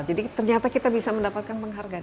jadi ternyata kita bisa mendapatkan penghargaan